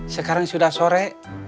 sekarang sudah sore